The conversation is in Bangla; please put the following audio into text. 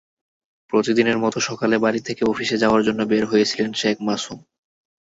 প্রতিদিনের মতো সকালে বাড়ি থেকে অফিসে যাওয়ার জন্য বের হয়েছিলেন শেখ মাসুম।